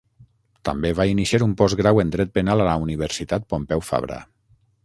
També va iniciar un postgrau en Dret penal a la Universitat Pompeu Fabra.